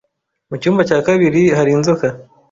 Mu cyumba cya kabiri hari inzoka